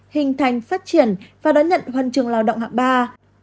hình thành phát triển và đón nhận huân trường lao động hạng ba